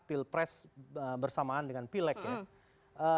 pilpres bersamaan dengan pilek ya